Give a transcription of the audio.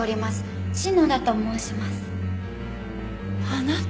あなた！